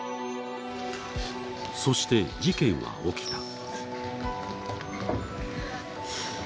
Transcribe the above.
そして、事件は起きた。